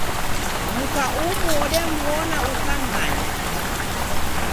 Mka umu ondam'mbona ukam'manya.